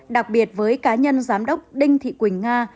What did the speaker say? đặc biệt với cá nhân giám đốc đinh thị quỳnh nga